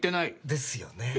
ですよねえ。